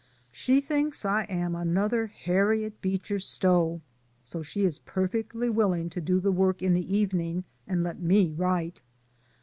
She thinks I am another "Harriet Beecher Stowe," so she is perfectly willing to do the work in the evening and let me write.